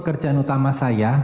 tentara utama saya